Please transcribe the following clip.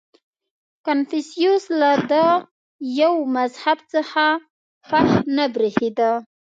• کنفوسیوس له دایو مذهب څخه خوښ نه برېښېده.